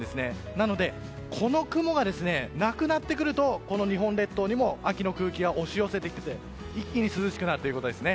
なのでこの雲がなくなってくるとこの日本列島にも秋の空気が押し寄せてきて一気に涼しくなるということです。